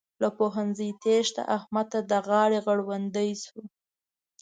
له پوهنځي تېښته؛ احمد ته د غاړې غړوندی شو.